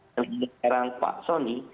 dan juga sekarang pak soni